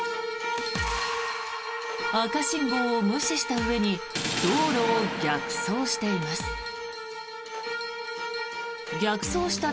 赤信号を無視したうえに道路を逆走しています。